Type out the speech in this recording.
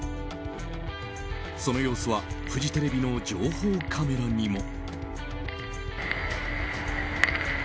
その様子はフジテレビの情報カメラにも。